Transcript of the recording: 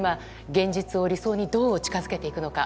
現実を理想にどう近づけていくのか。